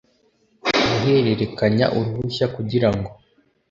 guhererekanya uruhushya kugira ngo